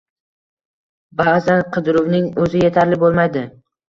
Ba’zan, qidiruvning o’zi yetarli bo’lmaydi